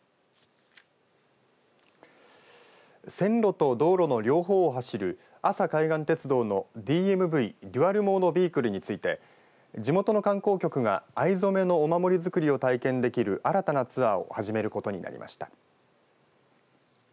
線路と道路の両方を走る阿佐海岸鉄道のＤＭＶ・デュアル・モード・ビークルについて地元の観光局が藍染めのお守り作りを体験できる新たなツアーを始めることになりました。